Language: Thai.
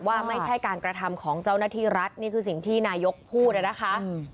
ว่าไม่ใช่การกระทำของเจ้าหน้าที่รัฐนี่คือสิ่งที่นายกพูดนะคะ